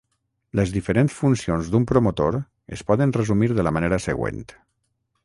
Les diferents funcions d'un promotor es poden resumir de la manera següent.